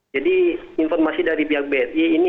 jadi informasi dari pihak bri ini